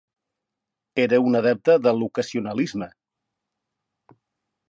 Era un adepte de l'ocasionalisme.